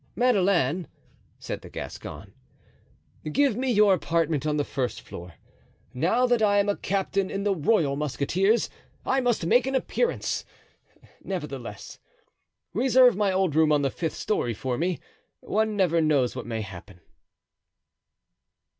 "Madeleine," said the Gascon, "give me your apartment on the first floor; now that I am a captain in the royal musketeers I must make an appearance; nevertheless, reserve my old room on the fifth story for me; one never knows what may happen."